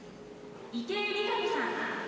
池江璃花子さん。